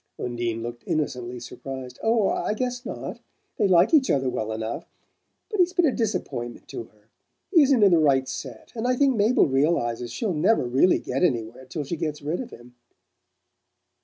Undine looked innocently surprised. "Oh, I guess not. They like each other well enough. But he's been a disappointment to her. He isn't in the right set, and I think Mabel realizes she'll never really get anywhere till she gets rid of him."